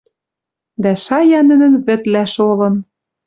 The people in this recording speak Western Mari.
Дӓ шая нӹнӹн вӹдлӓ шолын.